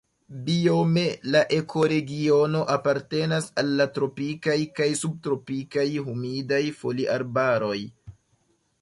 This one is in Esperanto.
Biome la ekoregiono apartenas al la tropikaj kaj subtropikaj humidaj foliarbaroj.